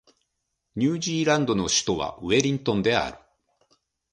ニュージーランドの首都はウェリントンである